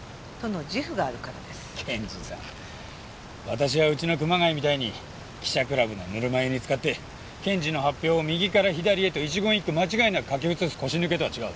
私はうちの熊谷みたいに記者クラブのぬるま湯に浸かって検事の発表を右から左へと一言一句間違いなく書き写す腰抜けとは違う。